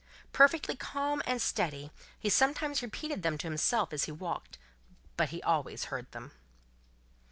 Perfectly calm and steady, he sometimes repeated them to himself as he walked; but, he heard them always.